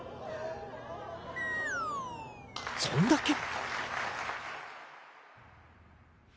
そんだけ？